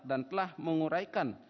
dan telah menguraikan